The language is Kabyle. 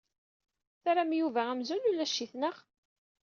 Terram Yuba amzun ulac-it, naɣ?